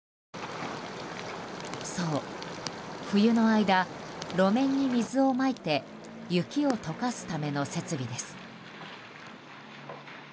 そう、冬の間路面に水をまいて雪を解かすための設備です。